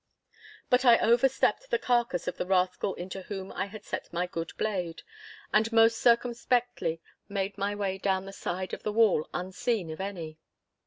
But I overstepped the carcase of the rascal into whom I had set my good blade, and most circumspectly made my way down the side of the wall unseen of any.